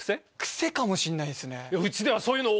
癖かもしんないですね。